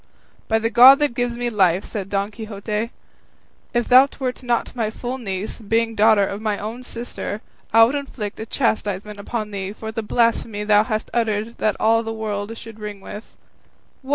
"By the God that gives me life," said Don Quixote, "if thou wert not my full niece, being daughter of my own sister, I would inflict a chastisement upon thee for the blasphemy thou hast uttered that all the world should ring with. What!